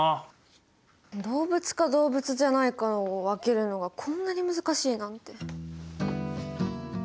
動物か動物じゃないかを分けるのがこんなに難しいなんて。